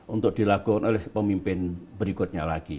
untuk dilakukan oleh pemimpin berikutnya lagi